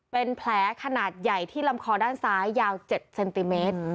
เป็นแผลขนาดใหญ่ที่ลำคอด้านซ้ายยาว๗เซนติเมตร